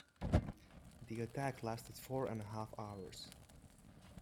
The attack lasted four and a half hours.